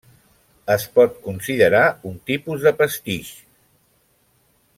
Es pot considerar un tipus de pastitx.